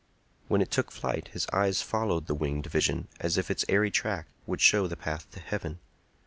When it took flight his eyes followed the winged vision, as if its airy track would show the path to heaven.